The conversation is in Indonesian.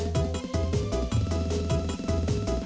kau berikan lain orang